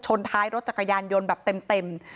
ท้ายรถจักรยานยนต์แบบเต็ม